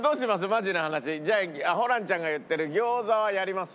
マジな話ホランちゃんが言ってる餃子はやります？